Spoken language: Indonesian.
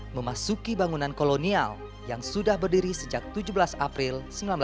memasuki bangunan kolonial yang sudah berdiri sejak tujuh belas april seribu sembilan ratus enam puluh